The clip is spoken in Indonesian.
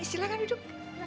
terima kasih ya umi